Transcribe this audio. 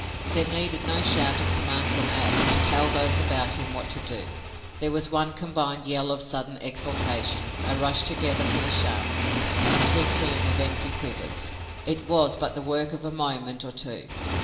There needed no shout of command from Ab to tell those about him what to do. There was one combined yell of sudden exultation, a rush together for the shafts and a swift filling of empty quivers. It was but the work of a moment or two.